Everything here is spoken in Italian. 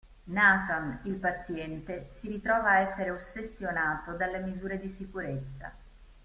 Nathan, il paziente, si ritrova a essere ossessionato dalle misure di sicurezza.